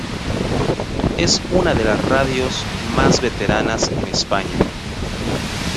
Es una de las radios más veteranas de España.